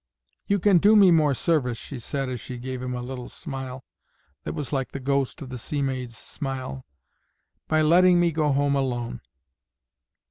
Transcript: "You can do me more service," she said, and she gave him a little smile that was like the ghost of the sea maid's smile, "by letting me go home alone."